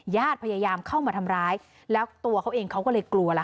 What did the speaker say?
ญาติพยายามเข้ามาทำร้ายแล้วตัวเขาเองเขาก็เลยกลัวล่ะ